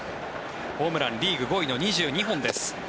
ホームランリーグ５位の２２本です。